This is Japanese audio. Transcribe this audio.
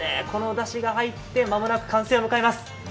このおだしが入って間もなく完成を迎えます。